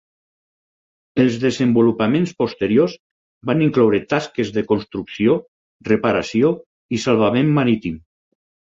Els desenvolupaments posteriors van incloure tasques de construcció, reparació i salvament marítim.